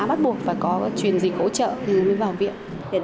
bắt buộc phải có truyền dịch hỗ trợ thì mới vào viện